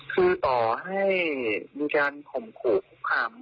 คือต่อให้มีการข่มขู่คุกคาม